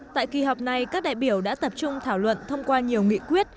tại kỳ họp này các đại biểu đã tập trung thảo luận thông qua nhiều nghị quyết